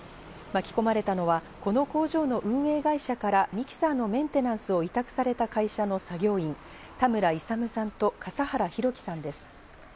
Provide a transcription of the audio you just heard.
巻き込まれたのはこの工場の運営会社からミキサーのメンテナンスを委託された会社の作業員、田村勇さんと笠原光貴さんです。